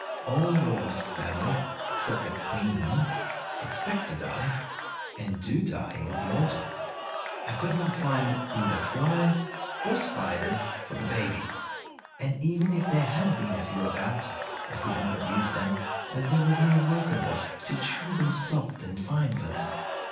All the wasp family, except the queens, expect to die, and do die in the autumn. "I could not find either flies or spiders for the babies, and even if there had been a few about I could not have used them, as there was no worker wasp to chew them soft and fine for them.